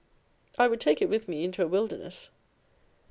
I would take it with me into a wilderness.